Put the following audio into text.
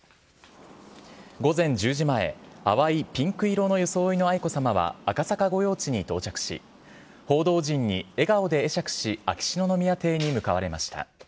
午前１０時前、淡いピンク色の装いの愛子さまは、赤坂御用地に到着し、報道陣に笑顔で会釈し、秋篠宮邸に向かわれました。